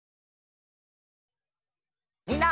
みんな！